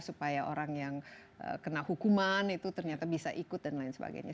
supaya orang yang kena hukuman itu ternyata bisa ikut dan lain sebagainya